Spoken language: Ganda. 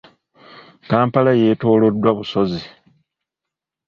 Kampala yeetooloddwa busozi.